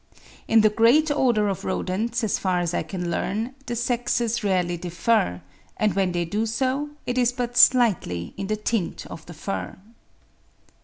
In the great order of Rodents, as far as I can learn, the sexes rarely differ, and when they do so, it is but slightly in the tint of the fur.